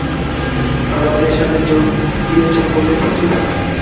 আমাদের সাথে যোগ দিয়েছ বলে খুশি হলাম।